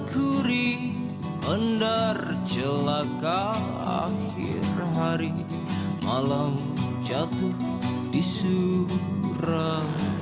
sini kundaku tidak jadi healthy enough cowris hai